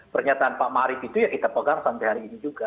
pernyataan pak marif itu ya kita pegang sampai hari ini juga